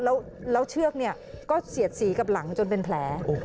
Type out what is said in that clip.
แล้วเชือกก็เสียดสีกับหลังจนเป็นแผล